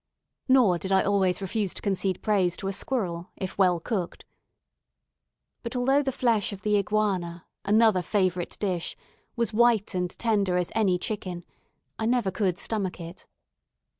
Nor did I always refuse to concede praise to a squirrel, if well cooked. But although the flesh of the iguana another favourite dish was white and tender as any chicken, I never could stomach it.